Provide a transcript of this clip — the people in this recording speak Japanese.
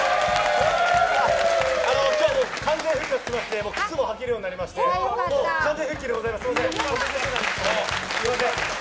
今日は完全復活しまして靴も履けるようになりまして完全復帰でございます！